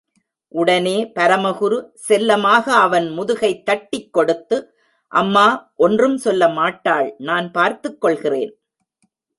உடனே பரமகுரு செல்லமாக அவன் முதுகை தட்டிக் கொடுத்து, அம்மா, ஒன்றும் சொல்ல மாட்டாள் நான் பார்த்துக்கொள்கிறேன்.